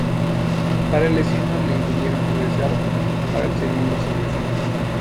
Varias lesiones le impidieron progresar para el segundo semestre.